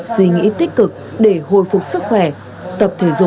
suy nghĩ tích cực để hồi phục sức khỏe